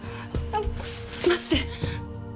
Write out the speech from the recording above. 待って。